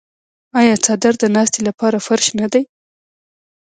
آیا څادر د ناستې لپاره فرش نه دی؟